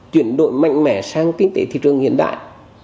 chuyển đổi mạnh mẽ sang kinh tế thị trường hiện đại